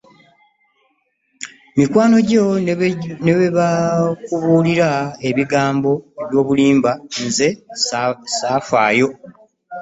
Mikwano gyo ne bwe baakubuulira ebigambo eby'obulimba, nze ssaafaayo.